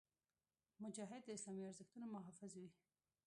مجاهد د اسلامي ارزښتونو محافظ وي.